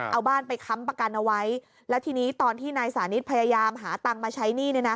เอาบ้านไปค้ำประกันเอาไว้แล้วทีนี้ตอนที่นายสานิทพยายามหาตังค์มาใช้หนี้เนี่ยนะ